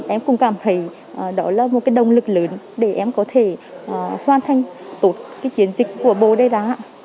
em cũng cảm thấy đó là một cái động lực lớn để em có thể hoàn thành tốt cái chiến dịch của bộ đây đó ạ